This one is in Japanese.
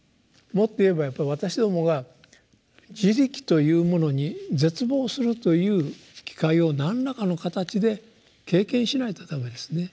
もっと言えばやっぱり私どもが「自力」というものに絶望するという機会を何らかの形で経験しないとだめですね。